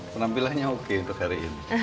penampilannya oke untuk hari ini